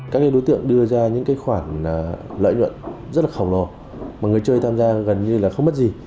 các đối tượng đưa ra những khoản lợi nhuận rất là khổng lồ mà người chơi tham gia gần như là không mất gì